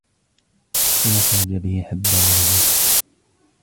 لنخرج به حبا ونباتا